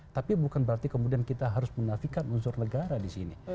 tapi bukan berarti kemudian kita harus menafikan unsur negara di sini